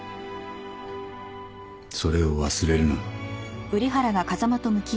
それを忘れるな。